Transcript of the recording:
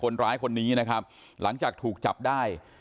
คนร้ายคนนี้นะครับหลังจากถูกจับได้